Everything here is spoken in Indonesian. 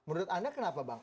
menurut anda kenapa bang